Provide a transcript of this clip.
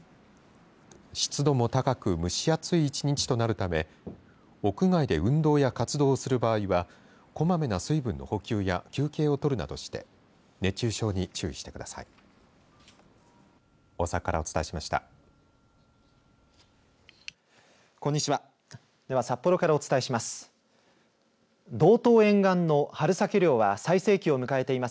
湿度も高く蒸し暑い１日となるため屋外で運動や活動をする場合はこまめな水分の補給や休憩を取るなどして熱中症に注意してください。